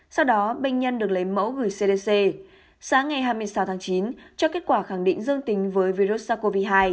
sau đó bệnh nhân được lấy mẫu gửi cdc sáng ngày hai mươi sáu tháng chín cho kết quả khẳng định dương tính với virus sars cov hai